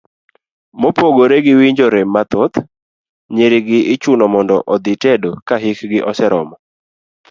Mopogore gi winjo rem mathoth, nyiri gi ichuno mondo odhi tedo ka hikgi oseromo.